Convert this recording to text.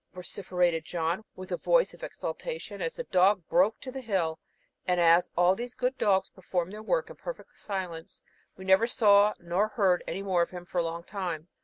vociferated John, with a voice of exultation, as the dog broke to the hill; and as all these good dogs perform their work in perfect silence, we neither saw nor heard any more of him for a long time.